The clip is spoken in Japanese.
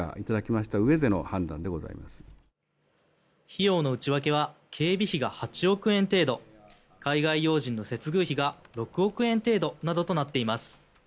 費用の内訳は警備費が８億円程度海外要人の接遇費が６億円程度などとなっています。